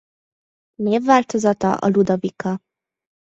Névváltozata a Ludovika.